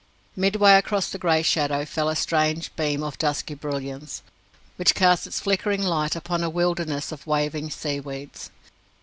Midway across the grey shadow fell a strange beam of dusky brilliance, which cast its flickering light upon a wilderness of waving sea weeds.